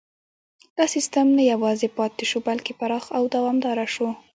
دا سیستم نه یوازې پاتې شو بلکې پراخ او دوامداره شو.